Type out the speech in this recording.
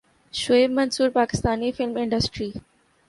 Shoaib Mansoor Pakistani film industry